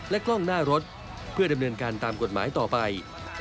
กล้องหน้ารถเพื่อดำเนินการตามกฎหมายต่อไป